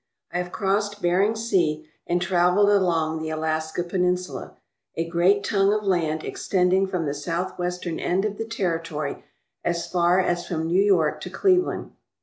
I have crossed Bering Sea and travelled along the Alaska Peninsula, a great tongue of land extending from the southwestern end of the territory as far as from New York to Cleveland.